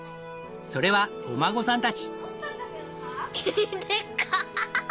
それはお孫さんたち！